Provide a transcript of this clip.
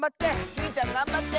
スイちゃんがんばって！